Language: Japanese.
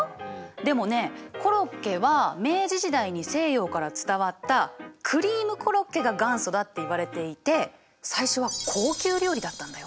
でもねコロッケは明治時代に西洋から伝わったクリームコロッケが元祖だっていわれていて最初は高級料理だったんだよ。